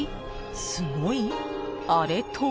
すごい？あれとは？］